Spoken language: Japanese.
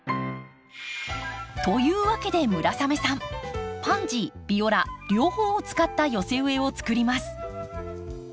というわけで村雨さんパンジービオラ両方を使った寄せ植えを作ります。